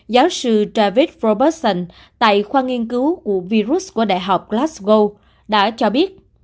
giáo sư david robertson tại khoa nghiên cứu của virus của đại học glasgow đã cho biết